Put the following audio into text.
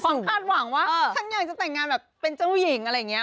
คาดหวังว่าฉันอยากจะแต่งงานแบบเป็นเจ้าหญิงอะไรอย่างนี้